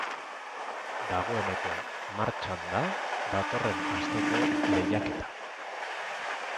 Dagoeneko martxan da datorren asteko lehiaketa.